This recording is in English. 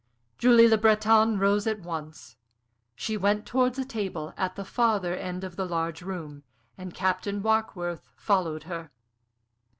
Julie Le Breton rose at once. She went towards a table at the farther end of the large room, and Captain Warkworth followed her.